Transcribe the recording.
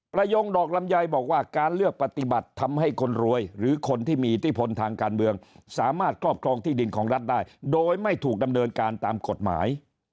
ยงดอกลำไยบอกว่าการเลือกปฏิบัติทำให้คนรวยหรือคนที่มีอิทธิพลทางการเมืองสามารถครอบครองที่ดินของรัฐได้โดยไม่ถูกดำเนินการตามกฎหมาย